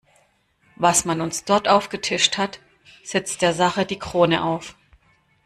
Was man uns dort aufgetischt hat, setzt der Sache die Krone auf!